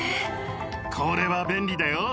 これは便利だよ。